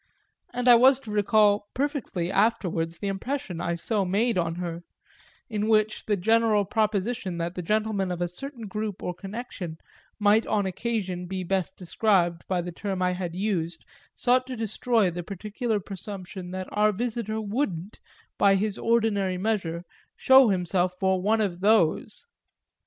And I was to recall perfectly afterwards the impression I so made on her in which the general proposition that the gentlemen of a certain group or connection might on occasion be best described by the term I had used sought to destroy the particular presumption that our visitor wouldn't, by his ordinary measure, show himself for one of those.